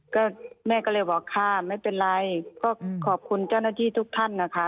ก็แม่ก็เลยบอกค่ะไม่เป็นไรก็ขอบคุณเจ้าหน้าที่ทุกท่านนะคะ